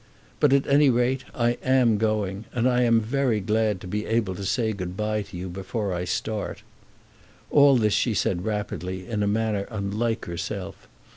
But at any rate I am going, and I am very glad to be able to say good bye to you before I start." All this she said rapidly, in a manner unlike herself.